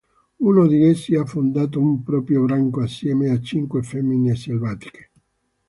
Uno di essi ha fondato un proprio branco assieme a cinque femmine selvatiche.